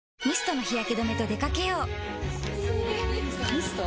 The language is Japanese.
ミスト？